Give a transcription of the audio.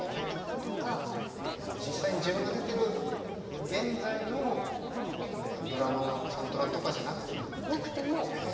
実際に自分が出てる現在のドラマのサントラとかじゃなくても？なくても。